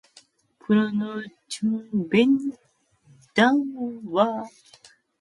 Pronotum bent downward Frons dark brown between antennal sockets.